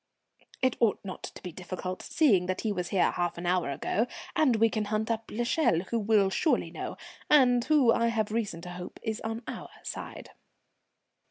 "It ought not to be difficult, seeing that he was here half an hour ago, and we can hunt up l'Echelle, who will surely know, and who I have reason to hope is on our side."